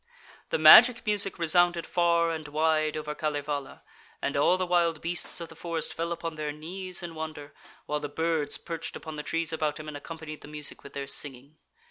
The magic music resounded far and wide over Kalevala, and all the wild beasts of the forest fell upon their knees in wonder, while the birds perched upon the trees about him and accompanied the music with their singing.